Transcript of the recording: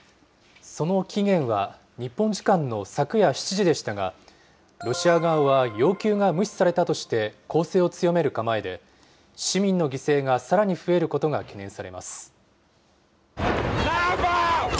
その期限は、日本時間の昨夜７時でしたが、ロシア側は要求が無視されたとして、攻勢を強める構えで、市民の犠牲がさらに増えることが懸念されます。